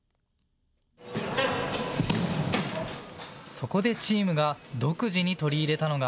そこでチームが独自に取り入れたのが。